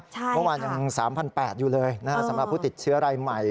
เมื่อวานยัง๓๘๐๐อยู่เลยสำหรับผู้ติดเชื้อรายใหม่